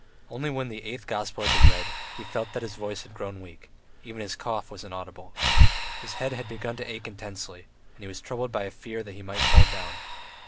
Only when the eighth gospel had been read, he felt that his voice had grown weak, even his cough was inaudible. His head had begun to ache intensely, and he was troubled by a fear that he might fall down.